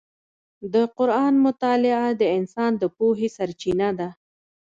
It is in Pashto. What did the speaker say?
د قرآن مطالعه د انسان د پوهې سرچینه ده.